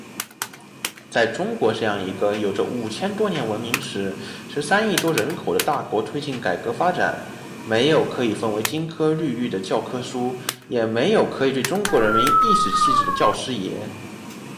在中国这样一个有着五千多年文明史，十三亿多人口的大国推进改革发展，没有可以奉为金科律玉的教科书，也没有可以对中国人民颐使气指的教师爷。